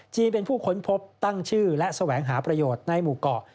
เป็นผู้ค้นพบตั้งชื่อและแสวงหาประโยชน์ในหมู่เกาะ